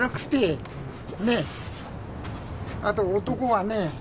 あと男はね